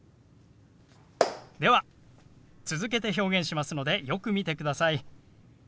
では続けて表現しますのでよく見てください。